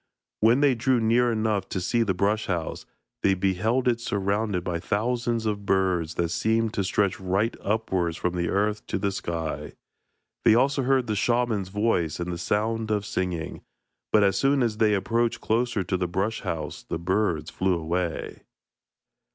When they drew near enough to see the brush house, they beheld it surrounded by thousands of birds that seemed to stretch right upwards from the earth to the sky. They also heard the shaman's voice and the sound of singing, but as soon as they approached closer to the brush house, the birds flew away.